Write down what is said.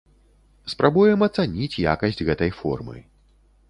Спрабуем ацаніць якасць гэтай формы.